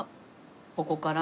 ここから。